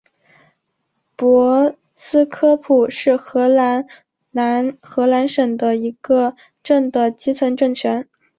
博斯科普是荷兰南荷兰省的一个镇的基层政权。